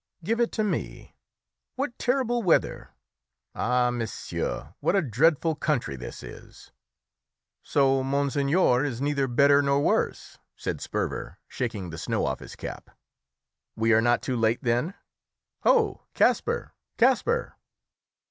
"Give it to me. What terrible weather! Ah, monsieur, what a dreadful country this is!" "So monseigneur is neither better nor worse," said Sperver, shaking the snow off his cap; "we are not too late, then. Ho, Kasper! Kasper!"